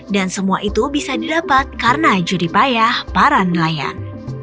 dan semua itu bisa didapat karena judi payah para nelayan